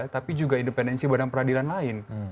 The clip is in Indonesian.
tapi juga independensi badan peradilan lain